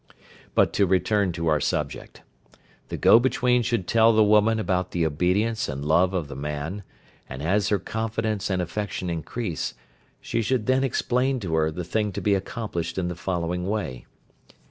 But to return to our subject. The go between should tell the woman about the obedience and love of the man, and as her confidence and affection increase, she should then explain to her the thing to be accomplished in the following way.